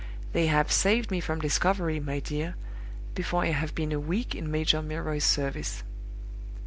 They have saved me from discovery, my dear, before I have been a week in Major Milroy's service!